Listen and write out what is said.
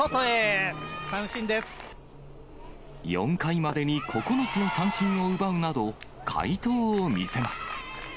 ４回までに９つの三振を奪うなど、快投を見せます。